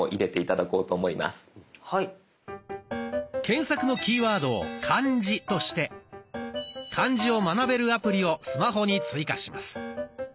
検索のキーワードを「漢字」として漢字を学べるアプリをスマホに追加します。